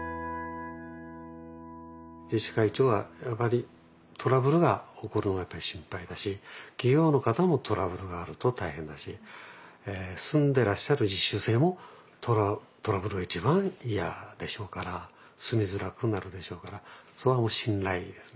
自治会長はやはりトラブルが起こるのが心配だし企業の方もトラブルがあると大変だし住んでらっしゃる実習生もトラブルが一番嫌でしょうから住みづらくなるでしょうからそこは信頼ですね。